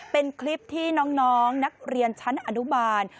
เป็นคลิปที่น้องนักเรียนชั้นอนุบาล